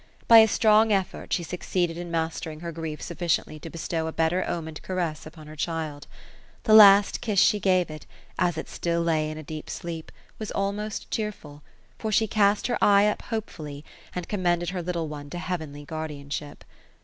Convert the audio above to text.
By a strong effort, she succeeded in mastering her grief sufficiently to bestow a better omened caress upon her child. The last kiss she gave it. as it still lay in a deep sleep, was almost cheerful, for she cast her eye up hopefully, and com* mended her little one to heavenly guardianship.